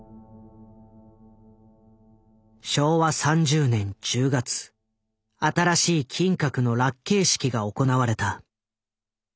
昭和３０年１０月新しい金閣の落慶式が行われた。